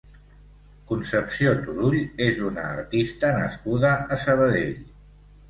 Concepció Turull és una artista nascuda a Sabadell.